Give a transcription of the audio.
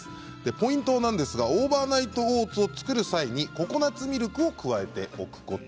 ポイントなんですがオーバーナイトオーツを作る際にココナツミルクを加えておくことです。